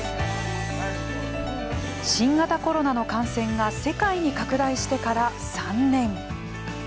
新型コロナの感染が世界に拡大してから３年。